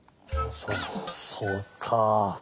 そそうか。